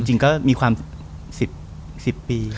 จริงก็มีความ๑๐ปี